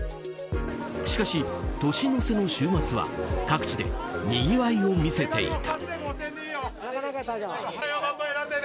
しかし、年の瀬の週末は各地でにぎわいを見せていた。